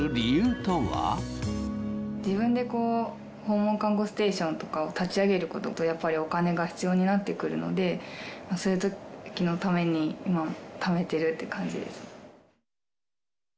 自分で訪問看護ステーションとかを立ち上げることと、やっぱりお金が必要になってくるので、そういうときのために今、ためてるって感じですね。